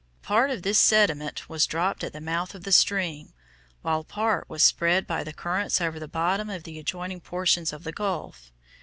Part of this sediment was dropped at the mouth of the stream, while part was spread by the currents over the bottom of the adjoining portions of the gulf.